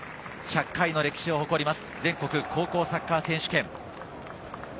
１００回の歴史を誇ります全国高校サッカー選手権。